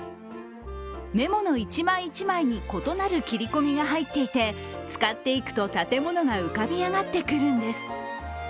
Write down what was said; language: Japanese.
メモの一枚一枚に異なる切り込みが入っていて使っていくと建物が浮かび上がってくるんです。